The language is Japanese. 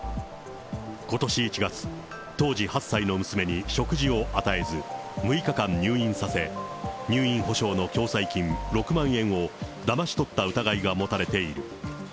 ことし１月、当時８歳の娘に食事を与えず、６日間入院させ、入院保障の共済金６万円をだまし取った疑いが持たれている。